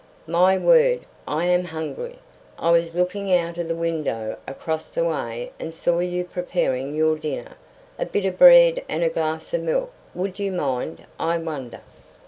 "My word, I am hungry! I was looking out of the window across the way and saw you preparing your dinner. A bit of bread and a glass of milk. Would you mind, I wonder?"